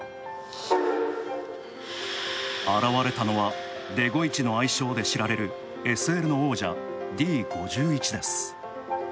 現れたのは、デゴイチの愛称で知られるＳＬの王者、Ｄ５１です。